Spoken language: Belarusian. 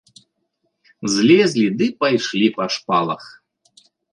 Злезлі ды пайшлі па шпалах.